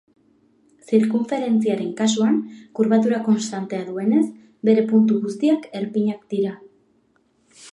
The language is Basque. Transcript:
Zirkunferentziaren kasuan, kurbatura konstantea duenez, bere puntu guztiak erpinak dira.